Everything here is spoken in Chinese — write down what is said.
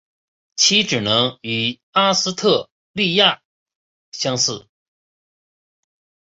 其职能与阿斯特莉亚相似。